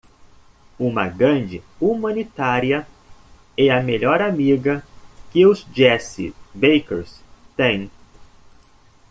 Uma grande humanitária e a melhor amiga que os Jessie Bakers têm.